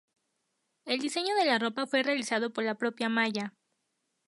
El diseño de la ropa fue realizado por la propia Maya.